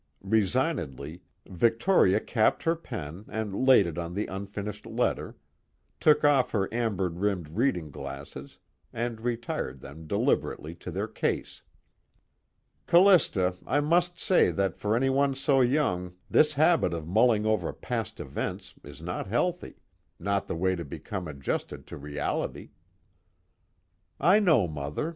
Resignedly, Victoria capped her pen and laid it on the unfinished letter; took off her amber rimmed reading glasses and retired them deliberately to their case. "Callista, I must say that for anyone so young this habit of mulling over past events is not healthy, not the way to become adjusted to reality." "I know, Mother.